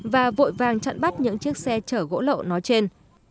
và vội vàng chặn bắt những chiếc xe chở gỗ lậu nói trên